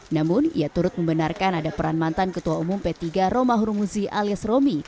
namun ia turut membenarkan ada peran mantan ketua umum p tiga romahur muzi alias romi